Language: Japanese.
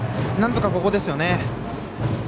なんとかここですよね。